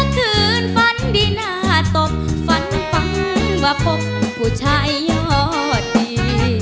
คืนฝันดีน่าตกฝันฟังว่าพบผู้ชายยอดดี